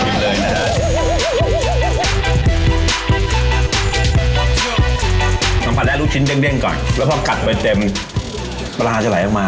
จำเป็นจะแบ่งก่อนกัดไปเเต็มปลาจะไหลออกมา